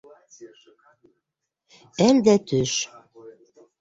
Әл дә төш...